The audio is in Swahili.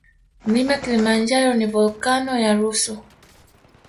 Mlima kilimanjaro ni volkeno ya rusu